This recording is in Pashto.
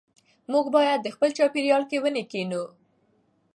موږ باید په خپل چاپېریال کې ونې کېنوو.